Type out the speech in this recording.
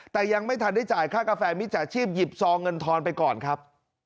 แต่ยังไม่ทันได้จ่ายค่ากาแฟมิจฉาชีพหยิบซองเงินทอนไปก่อนครับ